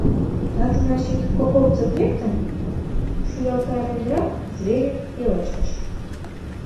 — Так значит, Коковцев лектын? — шуялтаренрак Зверев пелештыш.